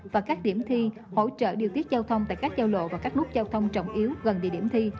và các điểm thi hỗ trợ điều tiết giao thông tại các giao lộ và các nút giao thông trọng yếu gần địa điểm thi